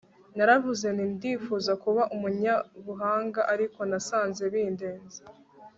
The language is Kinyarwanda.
naravuze nti ndifuza kuba umunyabuhanga! ariko nasanze bindenze